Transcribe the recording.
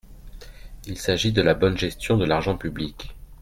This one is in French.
Il s’agit de la bonne gestion de l’argent public.